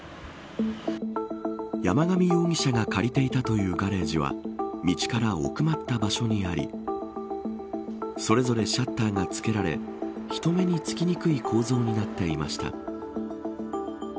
山上容疑者が借りていたというガレージは道から奥まった場所にありそれぞれシャッターが付けられ人目につきにくい構造になっていました。